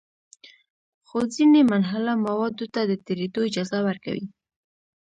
خو ځینې منحله موادو ته د تېرېدو اجازه ورکوي.